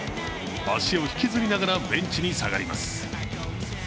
足を引きずりながらベンチに下がります。